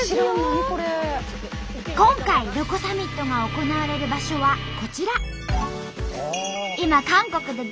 今回ロコサミットが行われる場所はこちら。